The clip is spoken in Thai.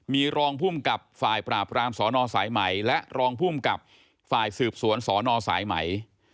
มีรองภูมิกับฝ่ายปราบรามสนสายใหม่และรองภูมิกับฝ่ายสืบสวนสนสายไหม